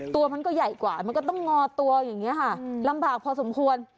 ตัวมันก็ใหญ่กว่ามันก็ต้องงอตัวอย่างนี้ค่ะลำบากพอสมควร